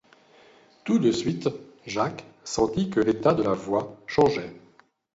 Tout de suite, Jacques sentit que l'état de la voie changeait.